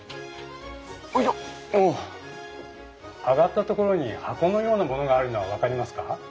上がったところに箱のようなものがあるの分かりますか？